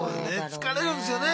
疲れるんですよね